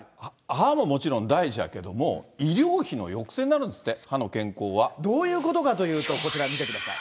歯ももちろん大事やけど、医療費の抑制になるんですって、歯どういうことかというと、こちら、見てください。